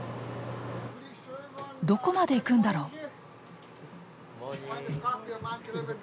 どこまで行くんだろ？